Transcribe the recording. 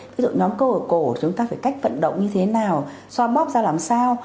ví dụ nhóm cô ở cổ chúng ta phải cách vận động như thế nào xoa móc ra làm sao